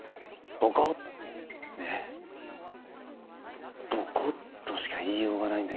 ボコッとしか言いようがないんだけど。